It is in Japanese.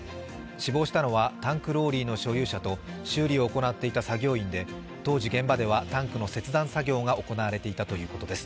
死亡したのはタンクローリーの運転手と修理を行っていた作業員で当時現場ではタンクの切断作業が行われていたということです。